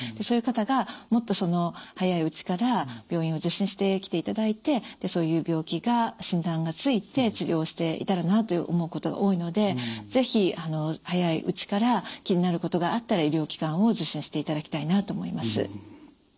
そういう方がもっとその早いうちから病院を受診してきていただいてそういう病気が診断がついて治療していたらなと思うことが多いので是非早いうちから気になることがあったら医療機関を受診していただきたいなと思います。